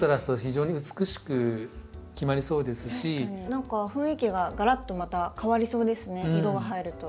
何か雰囲気ががらっとまた変わりそうですね色が入ると。